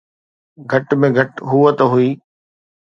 گهٽ ۾ گهٽ هوءَ نه هئي.